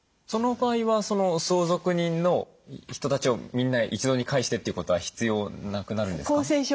その場合は相続人の人たちをみんな一堂に会してっていうことは必要なくなるんですか？